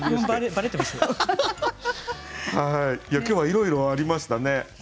今日はいろいろありましたね。